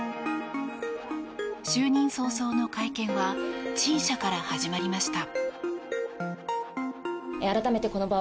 就任早々の会見は陳謝から始まりました。